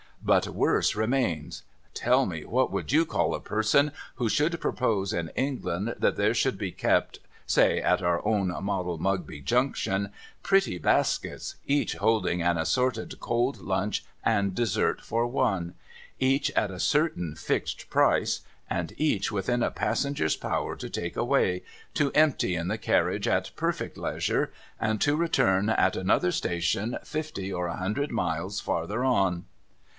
But worse remains. Tell me, what would you call a person who should propose in England that there should be kept, say at our own model Mugby Junction, pretty baskets, each holding an assorted cold lunch and dessert for one, each at a certain fixed price, and each within a passenger's power to take away, to empty in the carriage at perfect leisure, and to return at another station fifty or a hundred miles farther on